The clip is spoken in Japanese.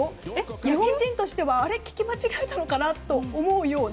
日本人としては聞き間違えたのかなと思うような。